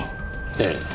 ええ。